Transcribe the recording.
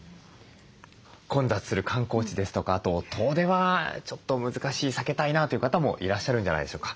混雑する観光地ですとかあと遠出はちょっと難しい避けたいなという方もいらっしゃるんじゃないでしょうか。